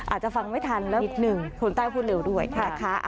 อาจจะฟังไม่ทันแล้วอีกหนึ่งส่วนใต้พูดเหลือด้วยค่ะ